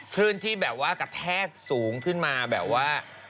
ขึ้นที่แบบว่ากระแทกสูงขึ้นมาแบบว่า